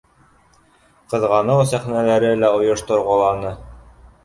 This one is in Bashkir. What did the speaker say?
Ҡыҙғаныу сәхнәләре лә ойошторғоланы.